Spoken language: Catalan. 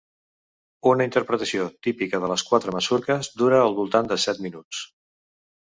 Una interpretació típica de les quatre masurques dura al voltant de set minuts.